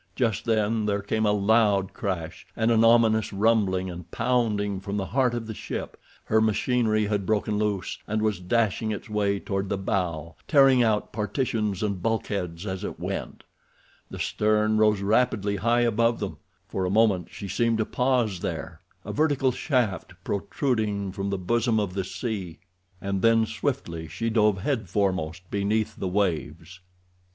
Just then there came a loud crash and an ominous rumbling and pounding from the heart of the ship—her machinery had broken loose, and was dashing its way toward the bow, tearing out partitions and bulkheads as it went—the stern rose rapidly high above them; for a moment she seemed to pause there—a vertical shaft protruding from the bosom of the ocean, and then swiftly she dove headforemost beneath the waves.